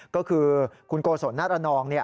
ก็คือคุณโกศลหน้ารนอง